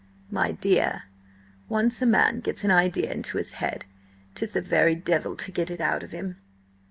"My dear, once a man gets an idea into his head, 'tis the very devil to get it out of him!